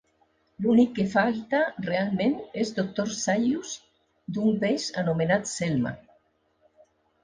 L'únic que falta realment és "Doctor Zaius" d'"Un peix anomenat Selma".